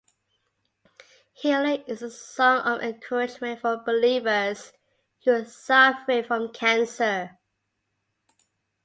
"Healer" is a song of encouragement for believers who were suffering from cancer.